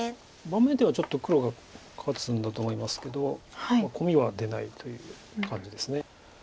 盤面ではちょっと黒が勝つんだと思いますけどコミは出ないという感じです。